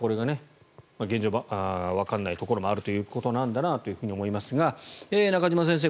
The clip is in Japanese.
ただ、これが現状わからないところもあるということだなと思いますが中島先生